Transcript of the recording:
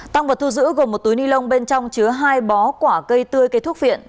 tăng vật thu giữ gồm một túi ni lông bên trong chứa hai bó quả cây tươi cây thuốc viện